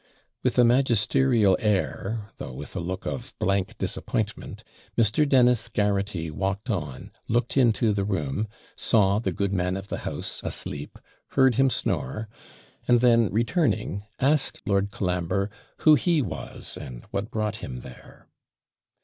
With a magisterial air, though with a look of blank disappointment, Mr. Dennis Garraghty walked on, looked into THE ROOM, saw the good man of the house asleep, heard him snore, and then, returning, asked Lord Colambre 'who he was, and what brought him there?'